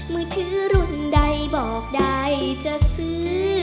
มือถือรุ่นใดบอกได้จะซื้อ